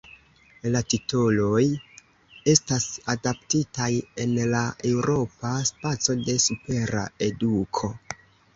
La titoloj estas adaptitaj al la Eŭropa Spaco de Supera Eduko.